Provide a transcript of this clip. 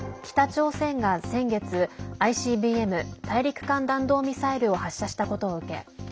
北朝鮮が先月ＩＣＢＭ＝大陸間弾道ミサイルを発射したことを受け